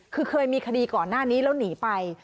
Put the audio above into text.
คือเคยมีคดีก่อนหน้านี้แล้วหนีไป